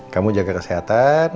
kamu jaga kesehatan